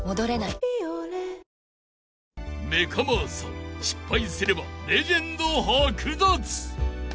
［メカ真麻失敗すればレジェンド剥奪］